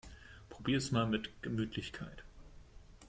Probier's mal mit Gemütlichkeit!